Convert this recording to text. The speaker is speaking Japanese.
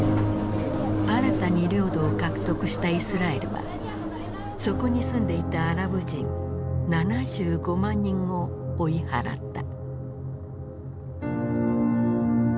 新たに領土を獲得したイスラエルはそこに住んでいたアラブ人７５万人を追い払った。